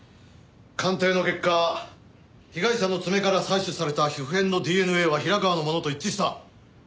鑑定の結果被害者の爪から採取された皮膚片のＤＮＡは平川のものと一致した。